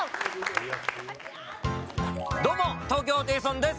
どうも、東京ホテイソンです。